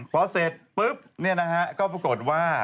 พอเสร็จปุ๊บนี่นะคะก็ปรากฏว่า